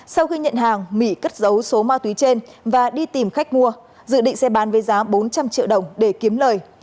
sau khi nhận hàng mỹ cất dấu số ma túy trên và đi tìm khách mua dự định xe bán với giá bốn trăm linh triệu đồng để kiếm lời